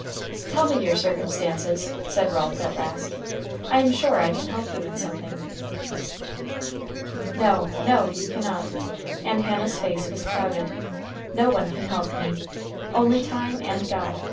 "Tell me your circumstances," said Ralph, at last. "I am sure I can help you in something." "No, no! you cannot," and Hannah's face was clouded. "No one can help me. Only time and God.